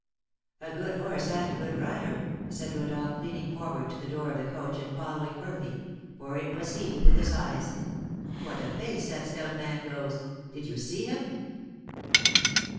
"A good horse and a good rider," said Rodolph, leaning forward to the door of the coach and following Murphy (for it was he) with his eyes. "What a pace that stout man goes! Did you see him?"